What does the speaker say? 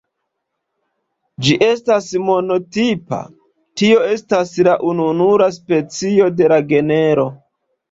Ĝi estas monotipa, tio estas la ununura specio de la genro.